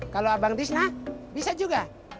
kalau abang disna bisa juga